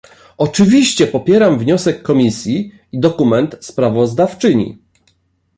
Oczywiście popieram wniosek Komisji i dokument sprawozdawczyni